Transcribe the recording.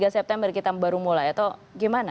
dua puluh tiga september kita baru mulai atau gimana